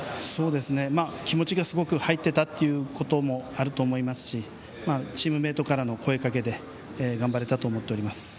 気持ちがすごく入ってたということもあると思いますしチームメートからの声かけで頑張れたと思います。